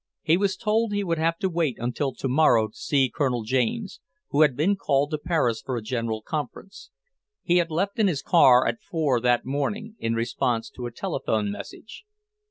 He was told he would have to wait until tomorrow to see Colonel James, who had been called to Paris for a general conference. He had left in his car at four that morning, in response to a telephone message.